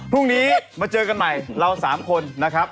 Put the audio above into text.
พรุ่งนี้มาเจอกันใหม่เรา๓คนนะครับ